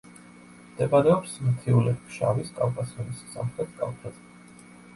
მდებარეობს მთიულეთ-ფშავის კავკასიონის სამხრეთ კალთაზე.